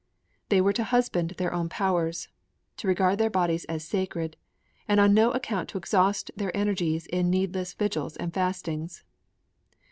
They were to husband their own powers; to regard their bodies as sacred, and on no account to exhaust their energies in needless vigils and fastings.